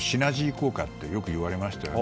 効果ってよく言われましたよね。